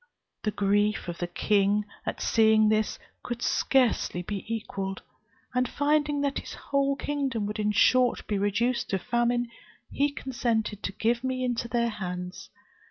The grief of the king, at seeing this, could scarcely be equalled; and finding that his whole kingdom would in a short time be reduced to famine, he consented to give me into their hands.